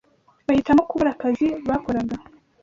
bahitamo kubura akazi bakoraga